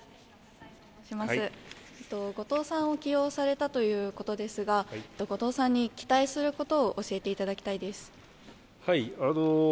後藤さんを起用されたということですが後藤さんに期待することを教えていただきたいです